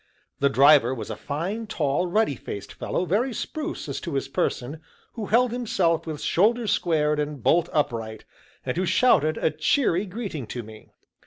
The driver was a fine, tall, ruddy faced fellow, very spruce as to his person, who held himself with shoulders squared and bolt upright, and who shouted a cheery greeting to me.